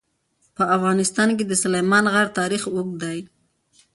په افغانستان کې د سلیمان غر تاریخ اوږد دی.